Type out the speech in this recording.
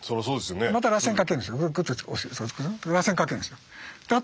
また螺旋かけるんですよ。